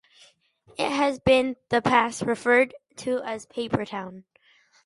It has been, the past, referred to as a Papertown.